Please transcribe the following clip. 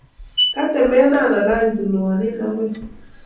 Katemena alany tulwon nin koi.